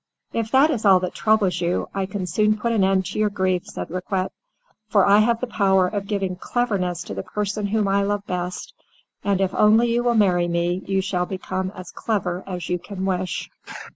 "If that is all that troubles you, I can soon put an end to your grief," said Riquet, "for I have the power of giving cleverness to the person whom I love the best, and if only you will marry me, you shall become as clever as you can wish."